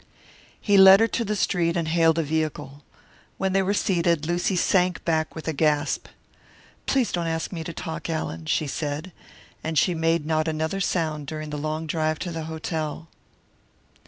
He led her to the street and hailed a vehicle. When they were seated, Lucy sank back with a gasp. "Please don't ask me to talk, Allan," she said. And she made not another sound during the long drive to the hotel.